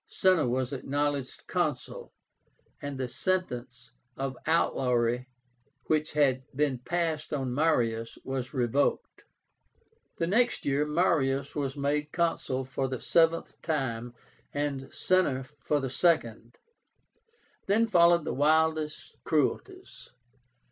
Cinna was acknowledged Consul, and the sentence of outlawry which had been passed on Marius was revoked. The next year Marius was made Consul for the seventh time, and Cinna for the second. Then followed the wildest cruelties.